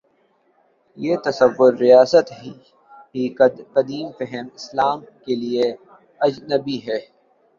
یہ تصور ریاست ہی قدیم فہم اسلام کے لیے اجنبی ہے۔